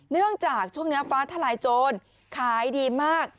เนื่องจากช่วงนี้ฟ้าทลายโจรขายดีมาก